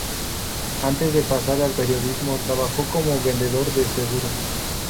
Antes de pasar al periodismo, trabajó como vendedor de seguros.